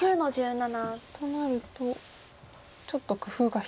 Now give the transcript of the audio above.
となるとちょっと工夫が必要と。